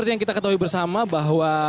yang ter spraw